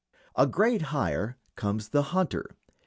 A grade higher comes the hunter.